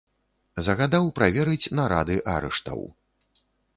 Загадаў праверыць нарады арыштаў.